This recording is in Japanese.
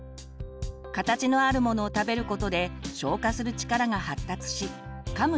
形のあるものを食べることで消化する力が発達しかむ